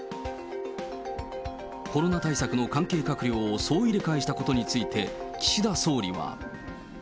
コロナ対策の関係閣僚を総入れ替えしたことについて、岸田総理は。